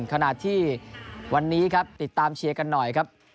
ขณะที่วันนี้ครับติดตามเชียร์กันหน่อยครับ